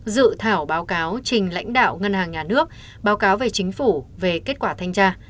dự thảo báo cáo trình lãnh đạo ngân hàng nhà nước báo cáo về chính phủ về kết quả thanh tra